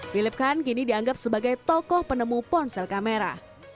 philip khan kini dianggap sebagai tokoh penemu ponsel kamera